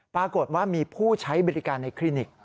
ปรากฏว่ามีผู้ใช้บริการในคลินิก